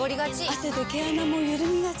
汗で毛穴もゆるみがち。